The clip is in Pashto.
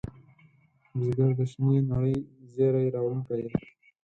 بزګر د شنې نړۍ زېری راوړونکی دی